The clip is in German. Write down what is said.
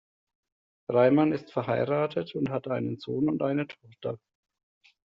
Reiman ist verheiratet und hat einen Sohn und eine Tochter.